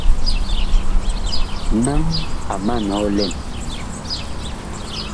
Naŋ a man hɔ lɛn.